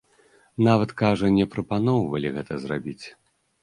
Нават, кажа, не прапаноўвалі гэта зрабіць.